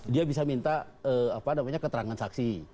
dia bisa minta keterangan saksi